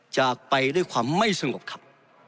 จากไปด้วยความไม่สงบครับ